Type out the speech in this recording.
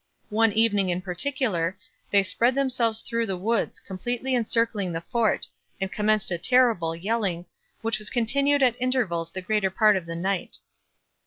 One evening in particular they 'spread themselves through the woods, completely encircling the Fort, and commenced a terrible yelling, which was continued at intervals the greater part of the night.'